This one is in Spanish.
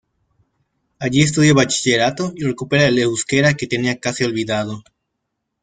Allí estudia bachillerato y recupera el euskera que tenía casi olvidado.